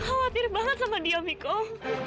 khawatir banget sama dia miko